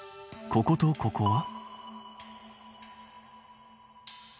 こことここは。